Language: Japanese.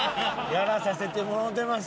やらさせてもろうてます。